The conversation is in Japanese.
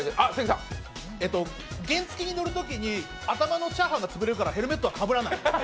原付に乗るときに頭のチャーハンがこぼれるからヘルメットはかぶらない。